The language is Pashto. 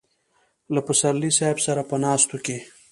له پسرلي صاحب سره په ناستو کې.